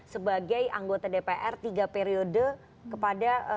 sebagai anggota dpr tiga periode kepada